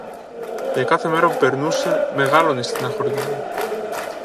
Και κάθε μέρα που περνούσε, μεγάλωνε η στενοχώρια μου.